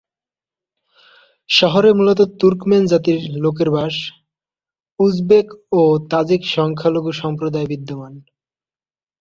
শহরে মূলত তুর্কমেন জাতির লোকের বাস; উজবেক ও তাজিক সংখ্যালঘু সম্প্রদায় বিদ্যমান।